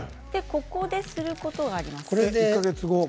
ここですることがあります。